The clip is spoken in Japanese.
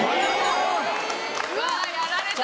うわやられたわ！